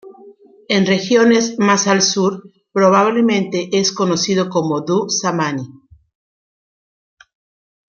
En regiones más al sur, probablemente es conocido como Dhu-Samani.